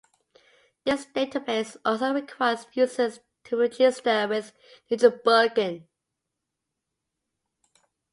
This database also requires users to register with Nichibunken.